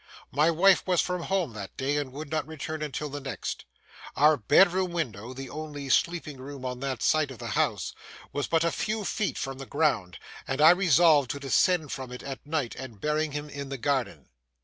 My wife was from home that day, and would not return until the next. Our bedroom window, the only sleeping room on that side of the house, was but a few feet from the ground, and I resolved to descend from it at night and bury him in the garden.